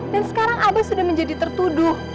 dan sekarang abah sudah menjadi tertuduh